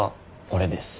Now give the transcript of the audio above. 俺です。